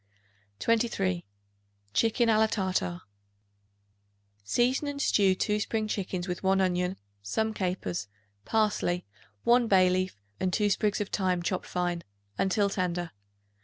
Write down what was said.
23. Chicken a la Tartare. Season and stew 2 spring chickens with 1 onion, some capers, parsley, 1 bay leaf and 2 sprigs of thyme chopped fine until tender.